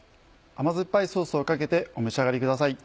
甘酸っぱいソースをかけてお召し上がりください。